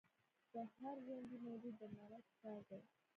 د هر ژوندي موجود درناوی پکار دی.